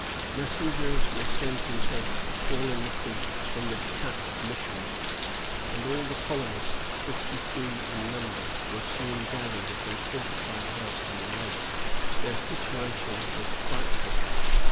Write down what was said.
Messengers were sent in haste to call in the priests from the detached missions; and all the colonists, fifty three in number, were soon gathered at their fortified house on the lake. Their situation was frightful.